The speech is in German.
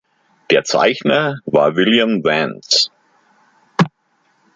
Der Zeichner war William Vance.